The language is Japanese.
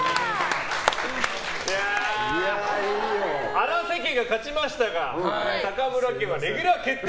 荒瀬家が勝ちましたが坂村家はレギュラー決定！